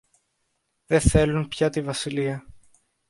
Δε θέλουν πια τη βασιλεία.